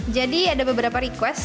jadi ada beberapa request